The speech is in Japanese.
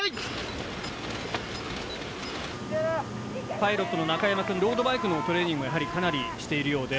パイロットの中山くんロードバイクのトレーニングもやはりかなりしているようで。